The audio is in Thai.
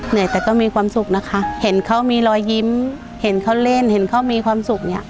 เหนื่อยแต่ก็มีความสุขนะคะเห็นเขามีรอยยิ้มเห็นเขาเล่นเห็นเขามีความสุขเนี่ย